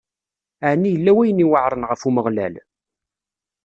Ɛni yella wayen iweɛṛen ɣef Umeɣlal?